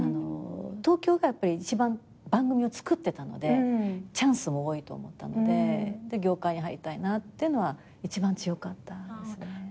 東京がやっぱり一番番組を作ってたのでチャンスも多いと思ったので業界に入りたいなというのは一番強かったですね。